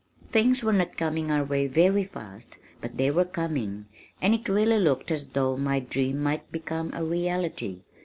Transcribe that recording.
Things were not coming our way very fast but they were coming, and it really looked as though my dream might become a reality.